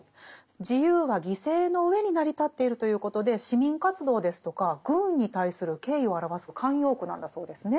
自由は犠牲の上に成り立っているということで市民活動ですとか軍に対する敬意を表す慣用句なんだそうですね。